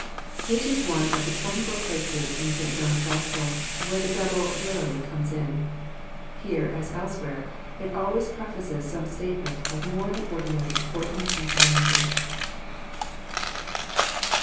This is one of the twenty four places in St. John's Gospel, where the double " verily" comes In. Here, as elsewhere, it al ways prefaces some statement of more than ordinary importance and solemnity.